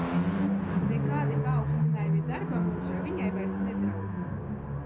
Nekādi paaugstinājumi darba mūžā viņai vairs nedraud.